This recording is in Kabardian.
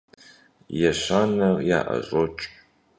Ещанэр яӀэщӀокӀ.